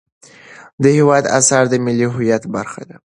د هېواد اثار د ملي هویت برخه ده.